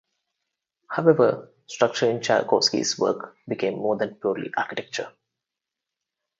However, structure in Tchaikovsky's work became more than purely architecture.